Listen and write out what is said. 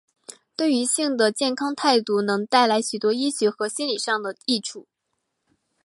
对于性的健康态度能带来许多医学和心里上的益处。